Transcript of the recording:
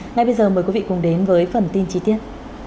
ngay bây giờ mời quý vị cùng đến với phần tin chi tiết